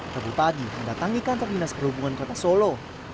pagi pagi mendatangikan terbinas perhubungan kota solo